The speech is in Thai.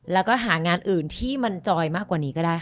แล้วก็หางานอื่นที่มันจอยมากกว่านี้ก็ได้